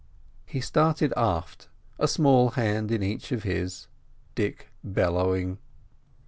He started aft, a small hand in each of his, Dick bellowing.